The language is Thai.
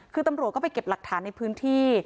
คือตำรวจก็ไปเก็บหลักฐานในพื้นที่